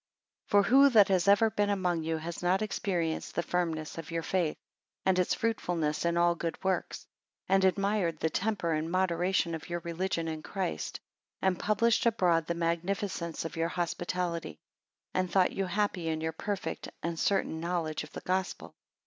4 For who that has ever been among you has not experienced the firmness of your faith, and its fruitfulness in all good works; and admired the temper and moderation of your religion in Christ; and published abroad the magnificence of your hospitality; and thought you happy in your perfect and certain knowledge of the Gospel?